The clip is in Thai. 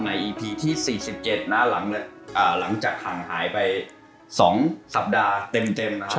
ในอีพีที่สี่สิบเจ็ดนะหลังจากห่างหายไปสองสัปดาห์เต็มเต็มนะครับ